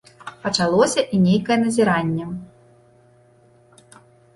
Пачалося і нейкае назіранне.